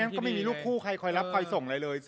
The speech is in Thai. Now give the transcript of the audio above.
ไม่งั้นก็ไม่มีลูกผู้ใครคอยรับคอยส่งอะไรเลยสิ